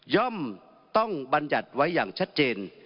ต้องบรรยัติไว้อย่างชัดเจน